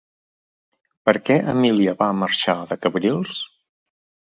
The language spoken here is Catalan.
Per què Emília va marxar de Cabrils?